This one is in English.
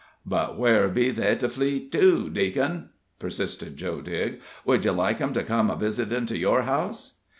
"But where be they to flee to, Deac'n?" persisted Joe Digg; "would you like 'em to come a visitin' to your house?"